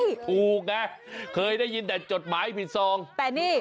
มีความคูกแน่เคยได้ยินแต่จดหมายผิดทรองแต่นี่